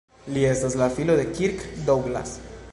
Li estas la filo de Kirk Douglas.